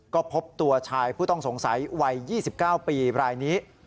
ก็พบตัวชายผู้ต้องสงสัยวัย๒๙ปีรายนี้